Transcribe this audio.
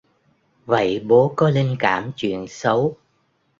vậy bố có linh cảm chuyện xấu